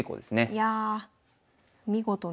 いやあ見事な。